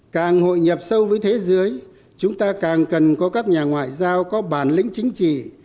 càng hội nhập sâu với thế giới chúng ta càng cần có các nhà ngoại giao có bản lĩnh chính trị